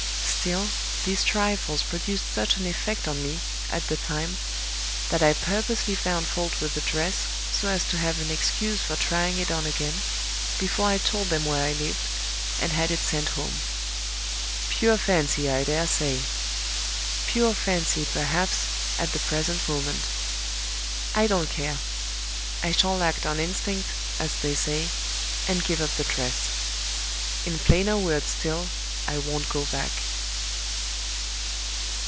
Still, these trifles produced such an effect on me, at the time, that I purposely found fault with the dress, so as to have an excuse for trying it on again, before I told them where I lived, and had it sent home. Pure fancy, I dare say. Pure fancy, perhaps, at the present moment. I don't care; I shall act on instinct (as they say), and give up the dress. In plainer words still, I won't go back."